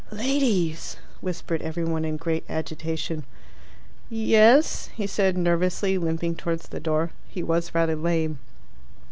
"Ladies!" whispered every one in great agitation. "Yes?" he said nervously, limping towards the door (he was rather lame).